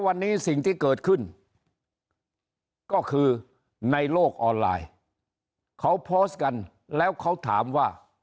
วันนี้สิ่งที่เกิดขึ้นก็คือในโลกออนไลน์เขาพอสกันแล้ว